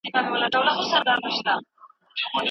شخصیت د نورو د نظریاتو له مخې په مثبت ډول متغیر دی.